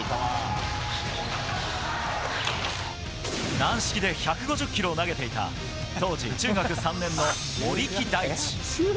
軟式で１５０キロを投げていた当時、中学３年の森木大智。